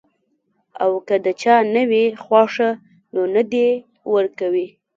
او کۀ د چا نۀ وي خوښه نو نۀ دې ورکوي -